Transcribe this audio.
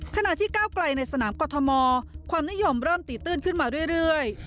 ขณะที่ก้าวไกลในสนามกรทมความนิยมเริ่มตีตื้นขึ้นมาเรื่อย